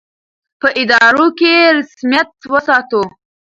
په ادارو کې یې رسمیت وساتو.